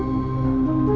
tidak ada yang tahu